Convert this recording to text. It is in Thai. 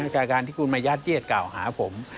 แต่การที่คุณมายัดเยียดกล่าวหาผม